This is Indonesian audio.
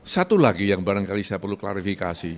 satu lagi yang barangkali saya perlu klarifikasi